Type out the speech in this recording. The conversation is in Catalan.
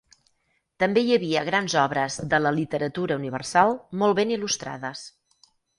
També hi havia grans obres de la literatura universal molt ben il·lustrades.